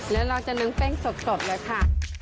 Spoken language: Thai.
และเราจะนึงเป้งสวดเลยค่ะ